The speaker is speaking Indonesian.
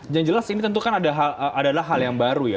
yang jelas ini tentu kan adalah hal yang baru ya